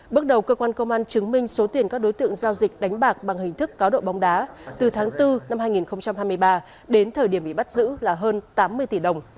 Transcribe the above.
bước đầu cơ quan công an chứng minh số tiền các đối tượng giao dịch đánh bạc bằng hình thức cáo độ bóng đá từ tháng bốn năm hai nghìn hai mươi ba đến thời điểm bị bắt giữ là hơn tám mươi tỷ đồng